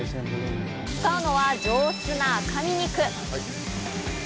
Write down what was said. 使うのは上質な赤身肉。